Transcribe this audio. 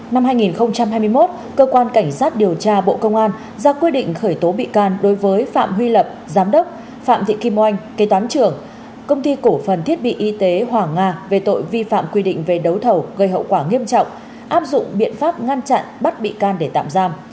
năm hai nghìn hai mươi một cơ quan cảnh sát điều tra bộ công an ra quy định khởi tố bị can đối với phạm huy lập giám đốc phạm thị kim oanh kế toán trưởng công ty cổ phần thiết bị y tế hoàng nga về tội vi phạm quy định về đấu thầu gây hậu quả nghiêm trọng áp dụng biện pháp ngăn chặn bắt bị can để tạm giam